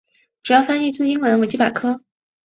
主要翻译自英文维基百科。